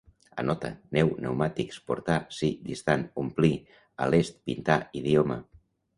Anota: neu, pneumàtics, portar, si, distant, omplir, a l’est, pintar, idioma